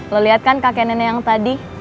lo lihat kan kakek nenek yang tadi